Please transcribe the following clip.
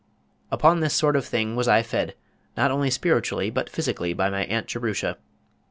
Upon this sort of thing was I fed, not only spiritually but physically, by my Aunt Jerusha.